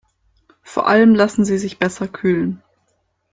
Vor allem lassen sie sich besser kühlen.